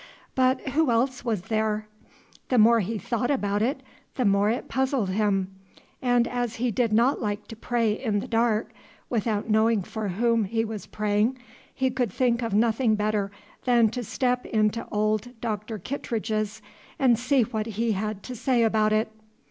But who else was there? The more he thought about it, the more it puzzled him, and as he did not like to pray in the dark, without knowing for whom he was praying, he could think of nothing better than to step into old Doctor Kittredge's and see what he had to say about it.